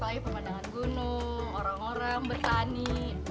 baik pemandangan gunung orang orang bertani